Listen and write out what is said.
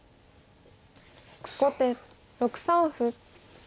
後手６三歩。